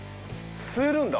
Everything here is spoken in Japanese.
吸えるんだ。